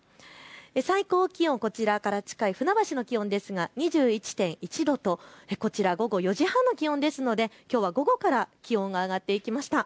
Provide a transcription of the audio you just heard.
最高気温、こちらから近い船橋の気温ですが２１．１度と午後４時半の気温ですのできょうは午後から気温が上がっていきました。